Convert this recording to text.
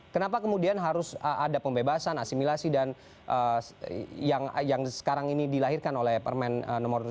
kenapa kemudian harus ada pembebasan asimilasi dan yang sekarang ini dilahirkan oleh permen nomor dua